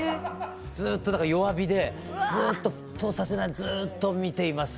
ずっと弱火でずっと沸騰させないようにずっと見ています。